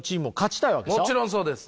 もちろんそうです。